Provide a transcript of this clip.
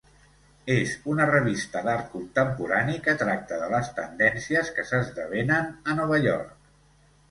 És una revista d'art contemporani que tracta de les tendències que s'esdevenen a Nova York.